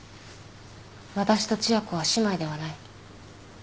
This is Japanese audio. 私と千夜子は姉妹ではない。